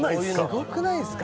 すごくないですか？